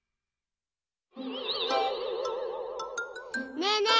ねえねえ